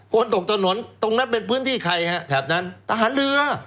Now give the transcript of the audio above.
คนตกตระหนดตรงนั้นเป็นพื้นที่ใครครับแถบนั้นทหารเรือ